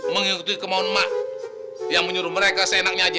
mengikuti kemauan mak yang menyuruh mereka seenaknya aja